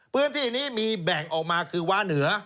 พื้นที่นี้มีแบ่งออกมาคือวาเหนือ